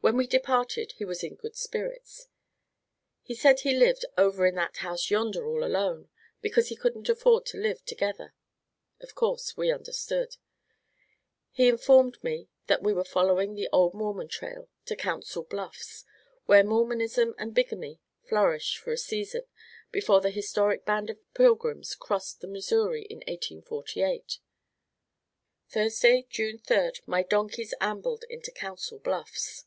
When we departed he was in good spirits. He said he lived "over in that house yonder all alone," because he couldn't afford to live "together." Of course, we understood. He informed me that we were following the old Mormon trail to Council Bluffs, where Mormonism and bigamy flourished for a season before the historic band of pilgrims crossed the Missouri in 1848. Thursday, June third, my donkeys ambled into Council Bluffs.